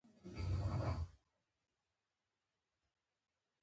پکورې له خوږو ماشومانو سره خوړل کېږي